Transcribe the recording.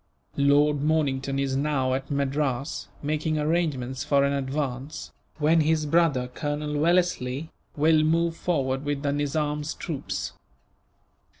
Lord Mornington is now at Madras, making arrangements for an advance; when his brother, Colonel Wellesley, will move forward with the Nizam's troops.